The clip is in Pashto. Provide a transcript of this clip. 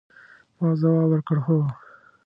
ما ځواب ورکړ، هو.